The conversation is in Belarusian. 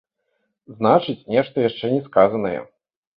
Значыць, нешта яшчэ не сказанае.